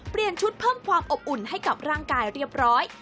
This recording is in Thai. เปลี่ยนชุดเพิ่มความอบอุ่นให้กับร่างกายเรียบร้อย